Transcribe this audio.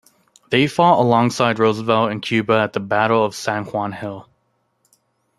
They fought alongside Roosevelt in Cuba at the Battle of San Juan Hill.